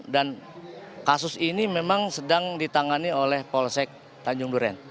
dan kasus ini memang sedang ditangani oleh polsek tanjung duren